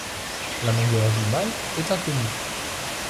La longueur du mâle est inconnue.